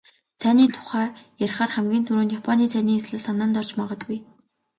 Цайны тухай ярихаар хамгийн түрүүнд "Японы цайны ёслол" санаанд орж магадгүй.